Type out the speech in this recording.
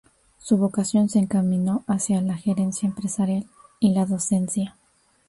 Su vocación se encaminó hacia la gerencia empresarial y la docencia.